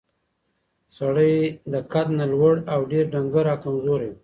سړی له قد نه لوړ او ډېر ډنګر او کمزوری و.